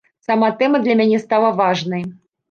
Сама тэма для мяне стала важнай.